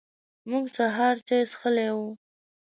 موږ سهار چای څښلی و.